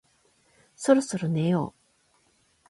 もうそろそろ寝よう